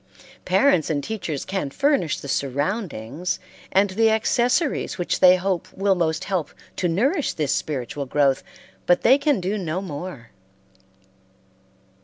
Parents and teachers can furnish the surroundings and the accessories which they hope will most help to nourish this spiritual growth, but they can do no more.